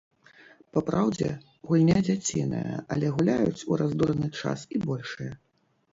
Папраўдзе, гульня дзяціная, але гуляюць у раздураны час і большыя.